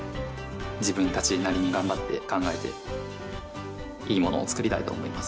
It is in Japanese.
自分たちなりに頑張って考えていいものを作りたいと思います。